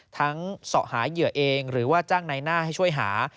เสาะหาเหยื่อเองหรือว่าจ้างในหน้าให้ช่วยหา